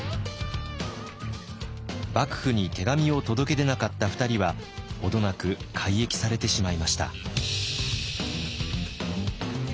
幕府に手紙を届け出なかった２人は程なく改易されてしまいました。